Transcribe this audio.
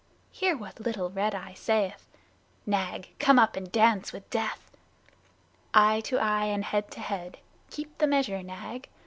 Hear what little Red Eye saith: "Nag, come up and dance with death!" Eye to eye and head to head, (Keep the measure, Nag.)